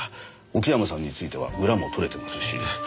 奥山さんについては裏も取れてますし。